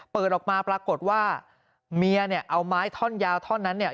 เปิดออกมาปรากฏว่าเมียเนี่ยเอาไม้ท่อนยาวท่อนนั้นเนี่ย